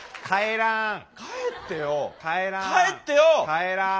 帰らん。